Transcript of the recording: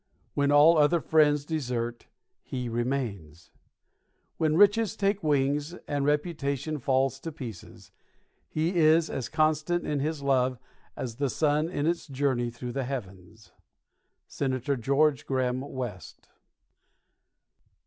When all other friends desert, he remains. When riches take wings, and reputation falls to pieces, he is as constant in his love as the sun in its journey through the heavens."_ SENATOR GEORGE GRAHAM VEST.